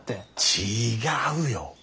違うよ。